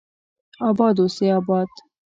اباد اوسي اباد